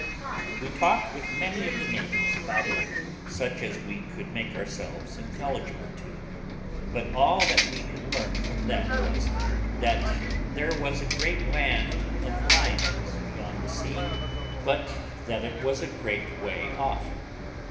We talked with many of the natives about it, such as we could make ourselves intelligible to, but all that we could learn from them was, that there was a great land of lions beyond the sea, but that it was a great way off.